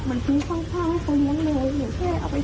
มันทิ้งข้างให้เขาเงินเลยเหมือนแค่เอาไปฝากไว้แล้วแม่ก็โอเคแล้ว